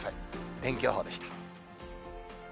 天気予報でした。